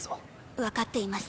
分かっています。